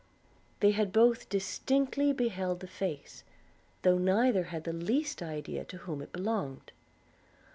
They had both distinctly beheld the face, though neither had the least idea to whom it belonged.